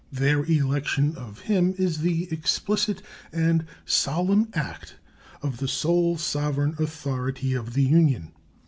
Their election of him is the explicit and solemn act of the sole sovereign authority of the Union.